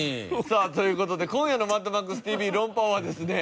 さあという事で今夜の『マッドマックスＴＶ論破王』はですね